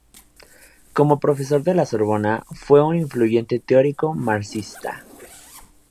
Como profesor de La Sorbona, fue un influyente teórico marxista.